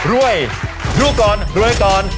รวยลูกก่อนรวยก่อน